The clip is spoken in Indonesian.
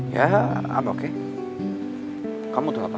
ya oke kamu tuh apa